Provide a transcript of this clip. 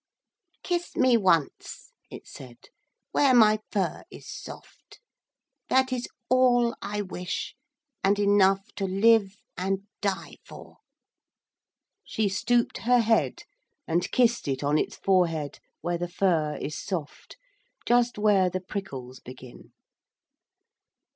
'Kiss me once,' it said, 'where my fur is soft. That is all I wish, and enough to live and die for.' She stooped her head and kissed it on its forehead where the fur is soft, just where the prickles begin.